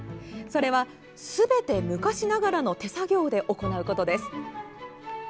それは、すべて昔ながらの手作業で行うことです。